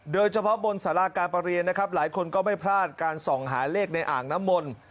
โดยเฉพาะบนสาราการประเรียนนะครับหลายคนก็ไม่พลาดการส่องหาเลขในอ่างน้ำมนต์